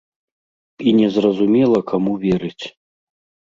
І незразумела каму верыць.